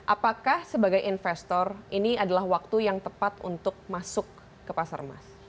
apakah sebagai investor ini adalah waktu yang tepat untuk masuk ke pasar emas